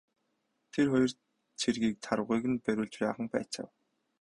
Тэр хоёр цэргийг тарвагыг нь бариулж жаахан байцаав.